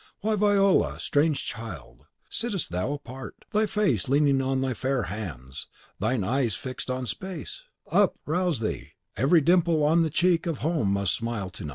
Why, Viola, strange child, sittest thou apart, thy face leaning on thy fair hands, thine eyes fixed on space? Up, rouse thee! Every dimple on the cheek of home must smile to night. ("Ridete quidquid est domi cachinnorum."